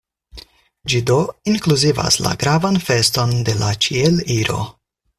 Ĝi do inkluzivas la gravan feston de la Ĉieliro.